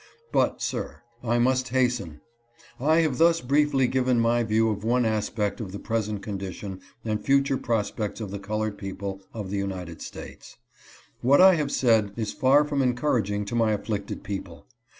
But, sir, I must hasten. I have thus briefly given my view of one aspect of the present condition and future prospects of the colored people of the United States. What I have said is far from encouraging to my afflicted people.